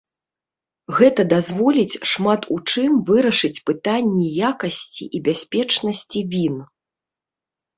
Гэта дазволіць шмат у чым вырашыць пытанні якасці і бяспечнасці він.